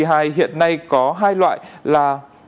hiện nay có hai loại là